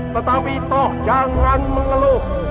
tetapi toh jangan mengeluh